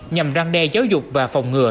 nhằm răng đe giáo dục và phòng ngừa